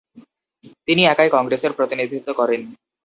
তিনি একাই কংগ্রেসের প্রতিনিধিত্ব করেন।